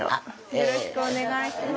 よろしくお願いします。